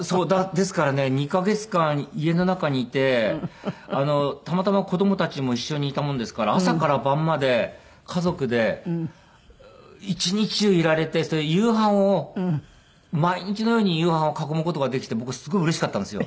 ですからね２カ月間家の中にいてたまたま子供たちも一緒にいたもんですから朝から晩まで家族で一日中いられてそれで夕飯を毎日のように夕飯を囲む事ができて僕すごいうれしかったんですよ。